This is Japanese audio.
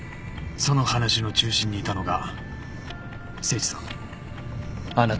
その話の中心にいたのが誠司さんあなたです。